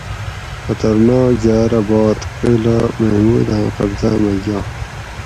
خطر ناک جارہ باد قلعہ محموداں قبضاۤ مئ یاگ